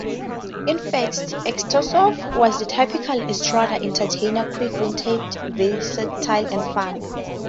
In fact, Utesov was the typical "estrada" entertainer - quick witted, versatile, and funny.